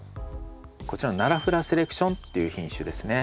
こちらのナラフラセレクションっていう品種ですね。